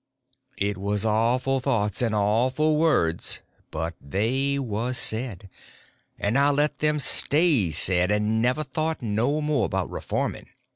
It was awful thoughts and awful words, but they was said. And I let them stay said; and never thought no more about reforming.